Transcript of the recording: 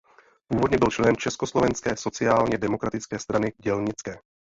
Původně byl členem Československé sociálně demokratické strany dělnické.